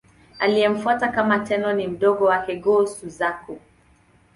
Aliyemfuata kama Tenno ni mdogo wake, Go-Suzaku.